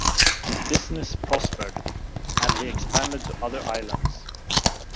His business prospered and he expanded to other islands.